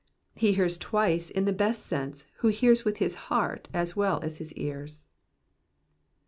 He hears twice in the best sense who hears with his heart as well as his ears.